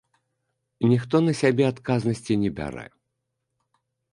Ніхто на сябе адказнасці не бярэ.